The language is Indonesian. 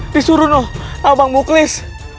disuruh loh abang buklis